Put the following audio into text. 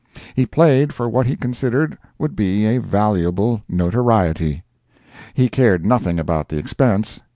He played for what he considered would be a valuable notoriety. He cared nothing about the expense.